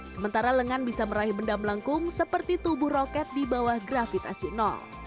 sementara lengan bisa meraih benda melengkung seperti tubuh roket di bawah grafit asi nol